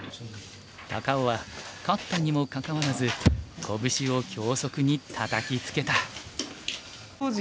高尾は勝ったにもかかわらずこぶしを脇息にたたきつけた。